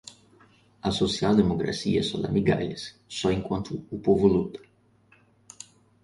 A social-democracia só dá migalhas, só enquanto o povo luta